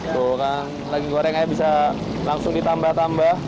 tuh kan lagi goreng ya bisa langsung ditambah tambah